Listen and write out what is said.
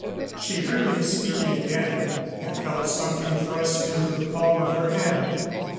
She heard him speaking again and felt something thrust into the palm of her hand.